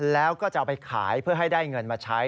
แล้วก็จะเอาไปขายเพื่อให้ได้เงินมาใช้